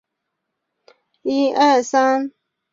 伊拉克总统是伊拉克的国家元首。